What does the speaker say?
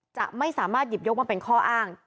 จะไม่สามารถหยิบยกมาเป็นข้ออ้าง